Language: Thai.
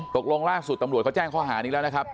ตกลงล่าสุดตำรวจเขาแจ้งข้อหานี้แล้วนะครับ